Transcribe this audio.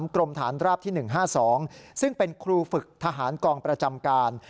กรมฐานราบที่๑๕๒ซึ่งเป็นครูฝึกทหารกองประจำการ